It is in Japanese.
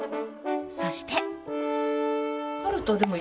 そして。